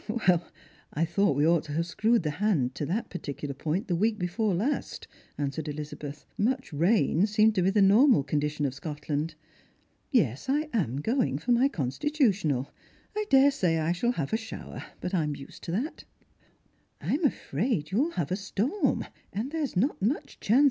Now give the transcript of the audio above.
" I thought we ought to have screwed the hand to that par ticular point the week before last," answered Elizabeth ;" much rain seemed to be the normal condition of Scotland. Yes, I am going for my constitutional. I daresay I shall have a ehower, but I'm used to that." " I'm afraid you'll have a storm, and there's not much chance Strangers and Pilgrims.